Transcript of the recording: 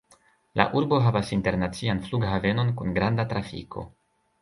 La urbo havas internacian flughavenon kun granda trafiko.